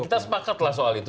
kita sepakat lah soal itu